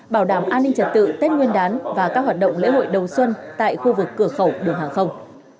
bảo đảm an ninh trật tự tết nguyên đán và các hoạt động lễ hội đầu xuân tại khu vực cửa khẩu đường hàng không